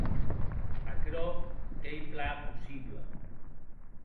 Aquerò qu’ei plan possible.